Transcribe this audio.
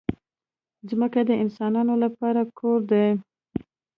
ځمکه د انسانانو لپاره کور دی.